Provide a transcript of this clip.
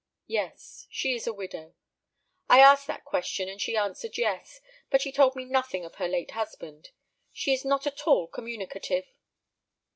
"Yes, she is a widow. I asked that question, and she answered, yes. But she told me nothing of her late husband. She is not at all communicative."